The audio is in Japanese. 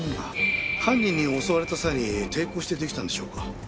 犯人に襲われた際に抵抗してできたんでしょうか？